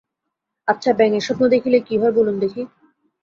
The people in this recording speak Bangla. আচ্ছা, ব্যাঙের স্বপ্ন দেখিলে কী হয় বলুন দেখি।